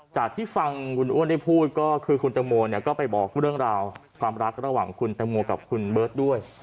จากที่ฟังคุณอ้วนได้พูดก็คือคุณตังโมเนี่ยก็ไปบอกเรื่องราวความรักระหว่างคุณตังโมกับคุณเบิร์ตด้วย